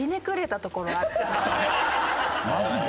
マジで？